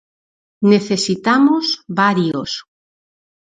Necesitamos varios.